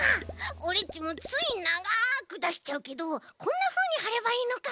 オレっちもついながくだしちゃうけどこんなふうにはればいいのか。